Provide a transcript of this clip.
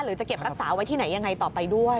จะเก็บรักษาไว้ที่ไหนยังไงต่อไปด้วย